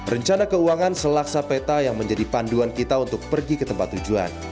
rencana keuangan selaksa peta yang menjadi panduan kita untuk pergi ke tempat tujuan